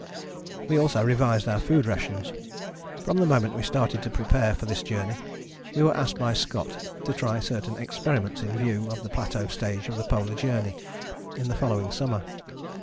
We also revised our food rations. From the moment we started to prepare for this journey we were asked by Scott to try certain experiments in view of the Plateau stage of the Polar Journey the following summer.